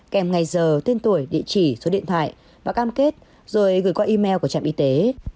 kèm ngày giờ tên tuổi địa chỉ số điện thoại và cam kết rồi gửi qua email của trạm y tế